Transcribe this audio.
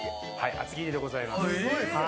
厚切りでございます。